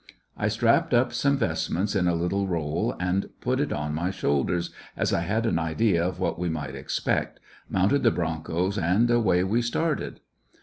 I strapped up some vestments in a little roll and put it on my shoulders, as I had an idea of what we might expect, mounted the broncos, and away we started.